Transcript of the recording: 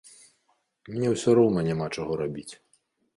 Мне ўсё роўна няма чаго рабіць.